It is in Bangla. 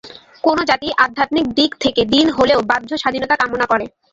কোন জাতি আধ্যাত্মিক দিক থেকে দীন হলেও বাহ্য স্বাধীনতা কামনা করে।